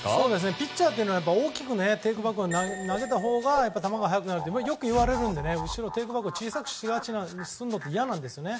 ピッチャーというのは大きくテークバックを投げたほうが球が速くなるってよく言われるのでテークバックを小さくするのは嫌なんですね。